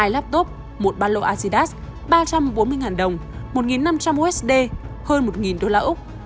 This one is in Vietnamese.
hai laptop một ba lô acidas ba trăm bốn mươi đồng một năm trăm linh usd hơn một đô la úc